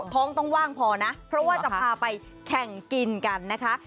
ท้องต้องว่างพอนะเพราะว่าจะพาไปแข่งกินกันนะคะ